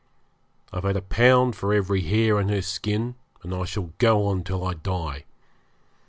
I've had a pound for every hair in her skin, and I shall go on till I die.